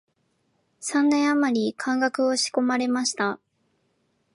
三年あまり漢学を仕込まれました